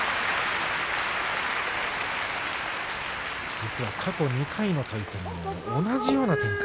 実は過去２回の対戦も同じような展開。